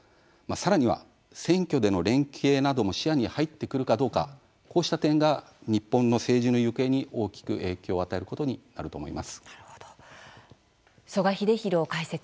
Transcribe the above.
さらには、選挙での連携なども視野に入ってくるかどうかこうした点が日本の政治の行方に大きく影響を与えることになると思います。